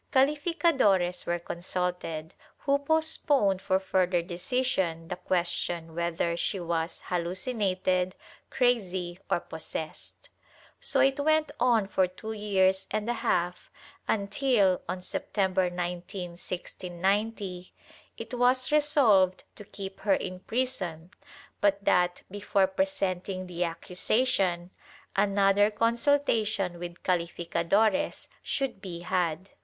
CaUficadores were consulted, who postponed for further decision the question whether she was hallucinated, crazy, or possessed. So it went on for two years and a half until, on September 19, 1690, it was resolved to keep her in prison but that, before presenting the accusation, another consultation with calificadores should he had.